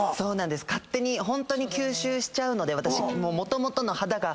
勝手にホントに吸収しちゃうので私。